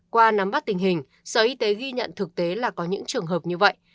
qua nắm bắt tình hình sở y tế ghi nhận thực tế là có những trường hợp như vậy